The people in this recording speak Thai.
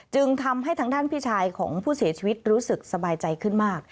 จึงทำให้ทางด้านพี่ชายของผู้เสียชีวิตรู้สึกสบายใจขึ้นมาก